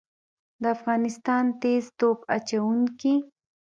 د افغانستان تیز توپ اچوونکي